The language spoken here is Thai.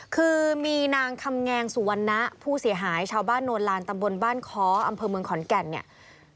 คือมีนางคำแงงสุวรรณะผู้เสียหายชาวบ้านโนลานตำบลบ้านค้ออำเภอเมืองขอนแก่นเนี่ย